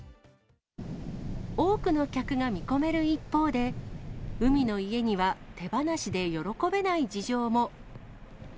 多くの客が見込める一方で、海の家には手放しで喜べない事情も。